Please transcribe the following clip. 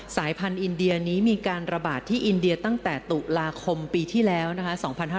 สายพันธุ์อินเดียนี้มีการระบาดที่อินเดียตั้งแต่ตุลาคมปีที่แล้วนะคะ